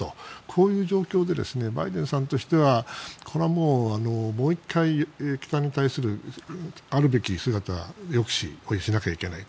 こういう状況でバイデンさんとしてはこれはもう、もう１回北に対するあるべき姿抑止をしなきゃいけない。